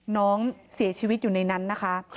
น้องเสียชีวิตอยู่ในนั้นนะคะ